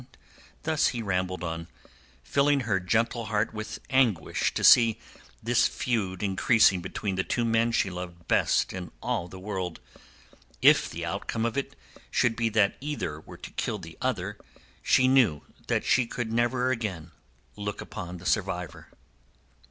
And thus he rambled on, filling her gentle heart with anguish to see this feud increasing between the two men she loved best in all the world. If the outcome of it should be that either were to kill the other, she knew that she could never again look upon the survivor.